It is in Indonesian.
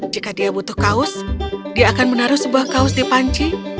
jika dia butuh kaos dia akan menaruh sebuah kaos di panci